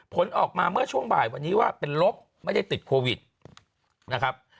ผลออกมาเมื่อช่วงบ่ายวันนี้ว่าเป็นลบไม่ได้ติดโควิดนะครับ